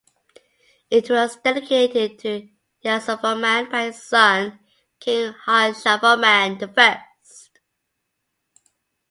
It was dedicated to Yasovarman by his son, King Harshavarman the First.